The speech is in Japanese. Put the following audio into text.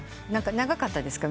長かったですか？